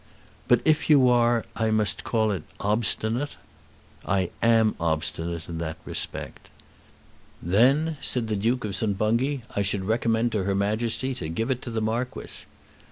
"But if you are, I must call it obstinate." "I am obstinate in that respect." "Then," said the Duke of St. Bungay, "I should recommend her Majesty to give it to the Marquis."